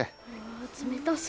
冷たそう。